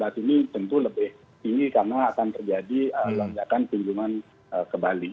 karena akan terjadi landakan kunjungan ke bali